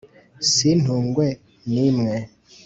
sintungwe n’imwe